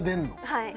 はい。